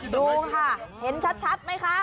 ดูค่ะเห็นชัดไหมคะ